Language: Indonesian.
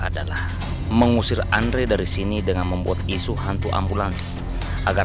adalah mengusir andre dari sini dengan membuat isu hantu ambulans agar